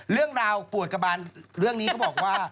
เรื่องราวปวดกระบานเรื่องนี้เขาบอกว่า